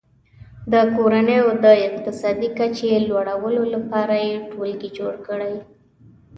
د کورنیو د اقتصادي کچې لوړولو لپاره یې ټولګي جوړ کړي.